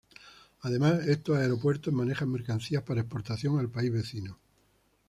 Además estos aeropuertos manejan mercancía para exportación al país vecino.